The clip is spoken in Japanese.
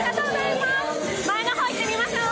前の方行ってみましょう。